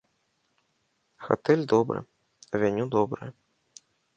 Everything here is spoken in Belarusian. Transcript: Гатэль добры, авеню добрыя.